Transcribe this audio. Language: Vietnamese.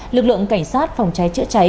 lực lượng cảnh sát phòng cháy chữa cháy